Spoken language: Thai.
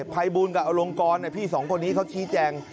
ภัยบูลกับอลงกรพี่สองคนนี้เขาชี้แจง